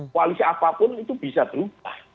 koalisi apapun itu bisa berubah